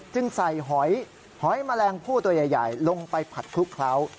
จึงใส่หอยหอยแมลงผู้ตัวใหญ่ลงไปผัดคลุกเคล้า